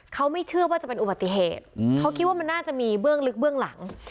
เขาไม่เชื่อว่าจะเป็นอุบัติเหตุเขาคิดว่ามันน่าจะมีเบื้องลึกเบื้องหลัง